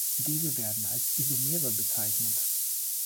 Diese werden als "Isomere" bezeichnet.